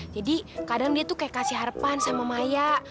jadi kadang dia tuh kayak kasih harapan sama maya